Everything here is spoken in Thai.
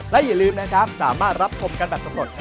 และอย่าลืมนะครับสามารถรับชมกันแบบสำรวจ